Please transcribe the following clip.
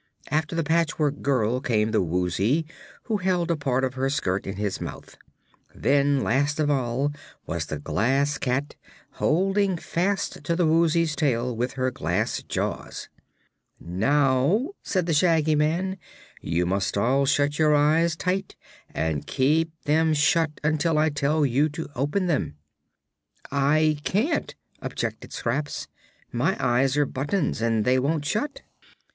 After the Patchwork Girl came the Woozy, who held a part of her skirt in his mouth. Then, last of all, was the Glass Cat, holding fast to the Woozy's tail with her glass jaws. "Now," said the Shaggy Man, "you must all shut your eyes tight, and keep them shut until I tell you to open them." "I can't," objected Scraps. "My eyes are buttons, and they won't shut."